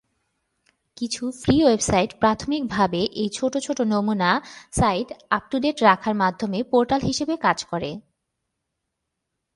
কিছু free website প্রাথমিকভাবে এই ছোট ছোট নমুনা সাইট আপ টু ডেট রাখার মাধ্যমে পোর্টাল হিসাবে কাজ করে।